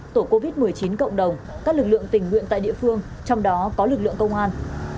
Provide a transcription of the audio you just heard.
tổ covid một mươi chín cộng đồng các lực lượng tình nguyện tại địa phương trong đó có lực lượng công an